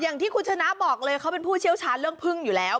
อย่างที่คุณชนะบอกเลยเขาเป็นผู้เชี่ยวชาญเรื่องพึ่งอยู่แล้ว